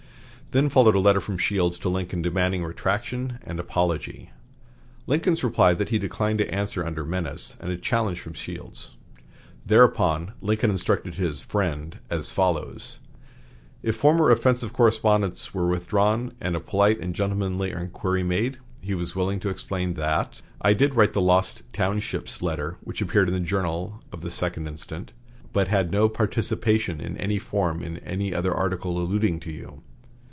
Then followed a letter from Shields to Lincoln demanding retraction and apology, Lincoln's reply that he declined to answer under menace, and a challenge from Shields. Thereupon Lincoln instructed his "friend" as follows: If former offensive correspondence were withdrawn and a polite and gentlemanly inquiry made, he was willing to explain that: "I did write the 'Lost Townships' letter which appeared in the 'Journal' of the 2d instant, but had no participation in any form in any other article alluding to you.